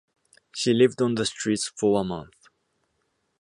She lived on the streets for a month.